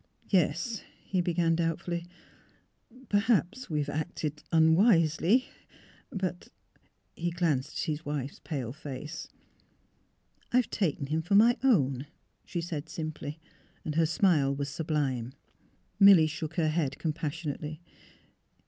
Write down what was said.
'' Yes," he began, doubtfully; " perhaps we have acted unwisely; but " He glanced at his wife's pale face. " I have taken him for my own," she said, simply. Her smile was sublime. Milly shook her head compassionately.